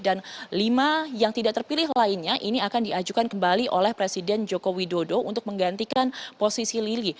dan lima yang tidak terpilih lainnya ini akan diajukan kembali oleh presiden joko widodo untuk menggantikan posisi lili